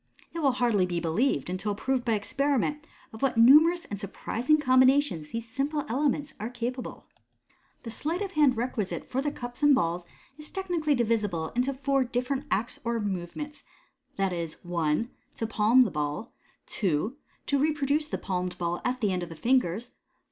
It will hardly be b. lieved, until proved by experiment, of what numerous and surpris ing combinations these simple elements are capable. The sleight of hand require for the cups and balls is technically divisible into four different acts or movements, viz. — 1. To "palm" the ball. 2. To reproduce the palmed ball at the end of the fingers.